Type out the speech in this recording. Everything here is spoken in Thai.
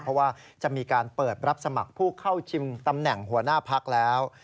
เพราะว่าจะมีการเปิดรับสมัครผู้เข้าชิงตำแหน่งหัวหน้าพักแล้ว